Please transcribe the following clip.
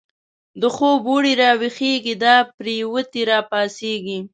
دا خوب وړی راويښږی، دا پريوتی را پا څيږی